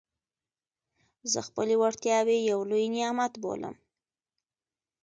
زه خپلي وړتیاوي یو لوی نعمت بولم.